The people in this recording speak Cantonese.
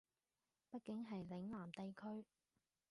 畢竟係嶺南地區